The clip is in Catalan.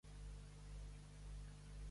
A l'ara què s'hi posava?